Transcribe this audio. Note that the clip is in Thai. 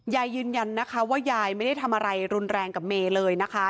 ยืนยันนะคะว่ายายไม่ได้ทำอะไรรุนแรงกับเมย์เลยนะคะ